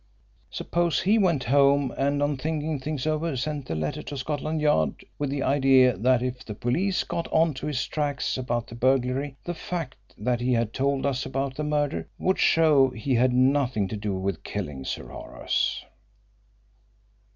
Suppose he went home, and on thinking things over sent the letter to Scotland Yard with the idea that if the police got on to his tracks about the burglary the fact that he had told us about the murder would show he had nothing to do with killing Sir Horace."